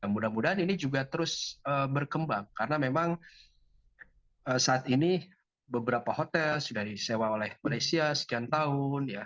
mudah mudahan ini juga terus berkembang karena memang saat ini beberapa hotel sudah disewa oleh malaysia sekian tahun